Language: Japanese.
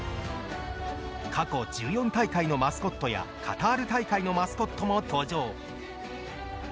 過去１４大会のマスコットやカタール大会のマスコットも登場。